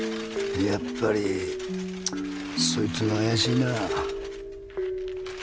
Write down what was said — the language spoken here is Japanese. やっぱりそいつが怪しいな。